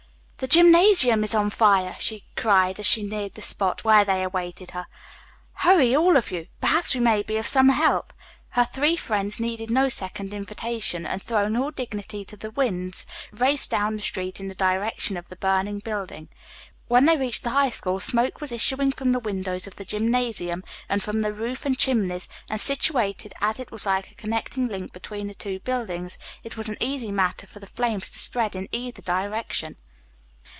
"The gymnasium is on fire!" she cried, as she neared the spot where they awaited her. "Hurry, all of you! Perhaps we may be of some help." Her three friends needed no second invitation and throwing all dignity to the winds, raced down the street in the direction of the burning building. When they reached the High School smoke was issuing from the windows of the gymnasium, and from the roof and chimneys, and situated as it was like a connecting link between the two buildings, it was an easy matter for the flames to spread in either direction.